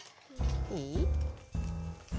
いい？